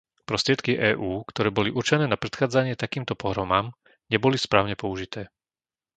Prostriedky EÚ, ktoré boli určené na predchádzanie takýmto pohromám, neboli správne použité.